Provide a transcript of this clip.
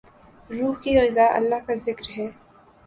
روح کی غذا اللہ کا ذکر ہے۔